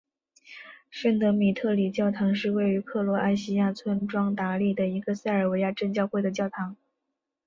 圣德米特里教堂是位于克罗埃西亚村庄达利的一个塞尔维亚正教会的教堂。